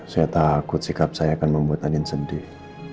saya takut sikap saya akan membuat angin sedih